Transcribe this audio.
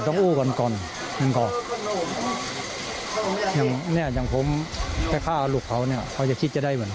ทุกคนต้องฆ่าลูกเขาไปด้วย